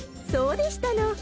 そうでしたの。